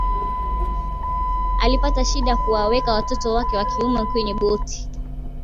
alipata shida kuwaweka watoto wake wa kiume kwenye boti